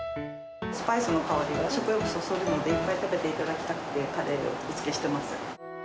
スパイスの香りが食欲そそるので、いっぱい食べていただきたくて、カレー、お付けしてます。